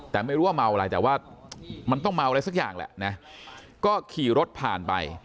แต่ไม่รู้ว่าเมาอะไรแต่ว่ามันต้องเมาอะไรสักอย่างแหละนะก็ขี่รถผ่านไป